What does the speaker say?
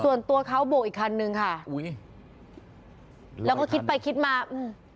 ส่วนตัวเขาบวกอีกคันนึงค่ะอุ้ยแล้วก็คิดไปคิดมาอืม